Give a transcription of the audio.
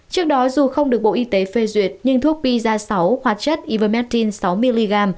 trước đó dù không được bộ y tế phê duyệt nhưng thuốc pisa sáu hoạt chất ivermectin sáu mg